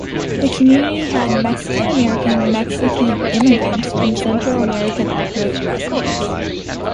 The community had Mexican Americans, Mexican immigrants, and Central American ethnic residents.